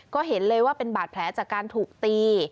ก็เห็นเลยว่าเป็นบาดแผลจากการถูกตี